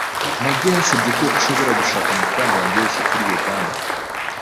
mabwa yansabye ko nshobora gushaka amafaranga yanjye yose muri iyo banki.